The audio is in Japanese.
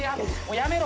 やめろ